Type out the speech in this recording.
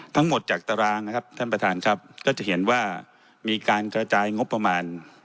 ทั้งหมดจากตารางนะครับท่านประธานครับก็จะเห็นว่ามีการกระจายงบประมาณ